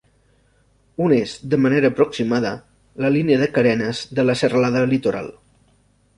Un és, de manera aproximada, la línia de carenes de la Serralada Litoral.